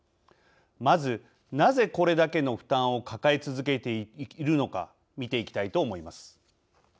まず、なぜこれだけの負担を抱え続けているのか見ていきたいと思います。